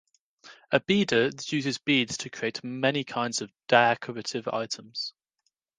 A beader uses beads to create many kinds of decorative items.